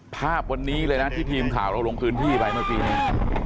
ภาพวันนี้เลยนะที่พิมดิ์ข่าวเราลงคืนที่ไปเมื่อปีนี่